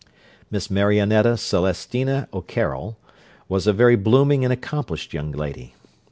Miss Marionetta Celestina O'Carroll was a very blooming and accomplished young lady.